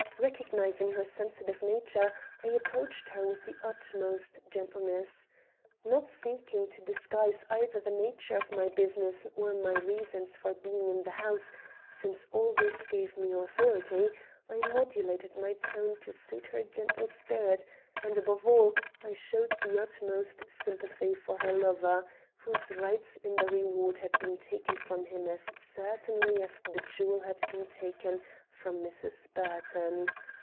Recognizing her sensitive nature, I approached her with the utmost gentleness. Not seeking to disguise either the nature of my business or my reasons for being in the house, since all this gave me authority, I modulated my tone to suit her gentle spirit, and, above all, I showed the utmost sympathy for her lover, whose rights in the reward had been taken from him as certainly as the jewel had been taken from Mrs. Burton.